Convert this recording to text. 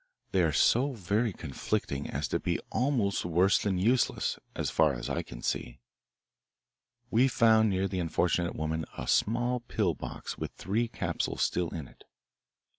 They are so very conflicting as to be almost worse than useless, as far as I can see. We found near the unfortunate woman a small pill box with three capsules still in it.